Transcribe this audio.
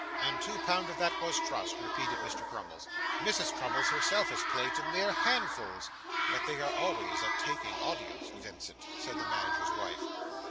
'And two pound of that was trust,' repeated Mr. Crummles. 'Mrs. Crummles herself has played to mere handfuls.' 'But they are always a taking audience, Vincent,' said the manager's wife.